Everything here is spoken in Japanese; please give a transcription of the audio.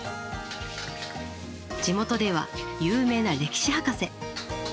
地元では有名な歴史博士。